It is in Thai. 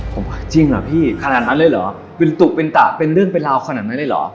ผมจริงเหรอพี่ขนาดนั้นเลยเหรอเป็นตุเป็นตะเป็นเรื่องเป็นราวขนาดนั้นเลยเหรอ